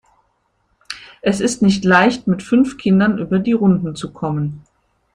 Es ist nicht leicht, mit fünf Kindern über die Runden zu kommen.